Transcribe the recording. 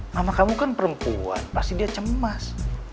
mama kamu kan perempuan pasti dia cemas